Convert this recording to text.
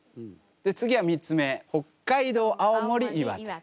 で次は３つ目北海道青森岩手。